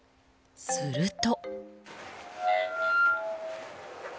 すると。